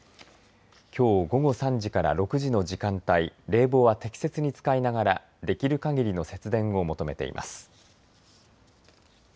きょう午後３時から６時の時間帯、冷房は適切に使いながらできるかぎりの節電を求めています。